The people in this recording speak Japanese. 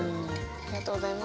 ありがとうございます。